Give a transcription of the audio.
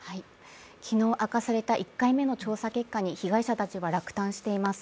昨日明かされた１回目の調査結果に被害者たちは落胆しています。